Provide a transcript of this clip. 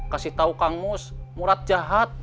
kasih tau kang mus murad jahat